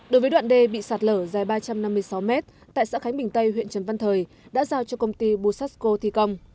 đối với đoạn đề bị sạt lở dài ba trăm năm mươi sáu mét tại xã khánh bình tây huyện trần văn thời đã giao cho công ty busasco thi công